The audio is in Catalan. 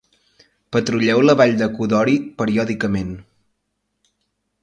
Patrulleu la vall de Kodori periòdicament.